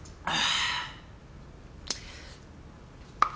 あぁ。